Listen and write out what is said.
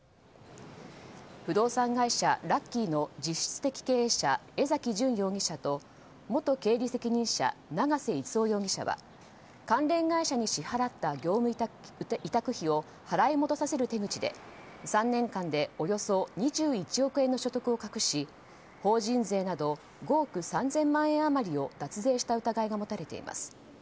不動産会社ラッキーの実質的経営者江崎純容疑者と元経理責任者、長瀬一生容疑者は関連会社に支払った業務委託費を払い戻させる手口で３年間でおよそ２１億円の所得を隠し法人税など５億３０００円余りを脱税した疑いが持たれています。